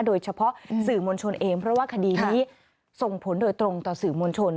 โดยเฉพาะสื่อมวลชนเองเพราะว่าคดีนี้ส่งผลโดยตรงต่อสื่อมวลชน